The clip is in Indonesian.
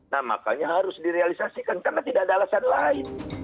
nah makanya harus direalisasikan karena tidak ada alasan lain